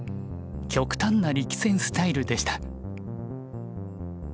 極端な力戦スタイルでした。